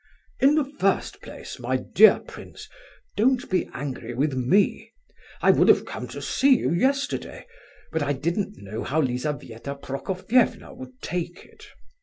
"In the first place, my dear prince, don't be angry with me. I would have come to see you yesterday, but I didn't know how Lizabetha Prokofievna would take it.